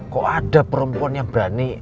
kok ada perempuan yang berani